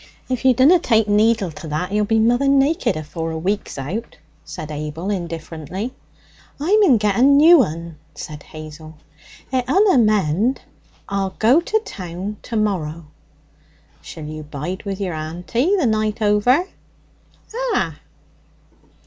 'If you dunna take needle to that, you'll be mother naked afore a week's out,' said Abel indifferently. 'I mun get a new un,' said Hazel. 'It unna mend. I'll go to town to morrow.' 'Shall you bide with yer auntie the night over?' 'Ah.'